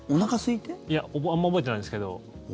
いやあんま覚えてないんですけど。